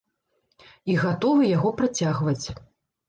І гатовы яго працягваць.